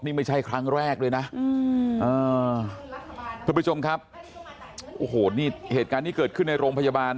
นี่ไม่ใช่ครั้งแรกด้วยนะทุกผู้ชมครับโอ้โหนี่เหตุการณ์ที่เกิดขึ้นในโรงพยาบาล